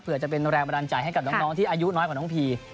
เพื่อจะเป็นแรงบันดาลใจให้กับน้องที่อายุน้อยกว่าน้องพี